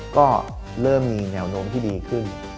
ก็เริ่มมีแนวโน้มที่ดีขึ้น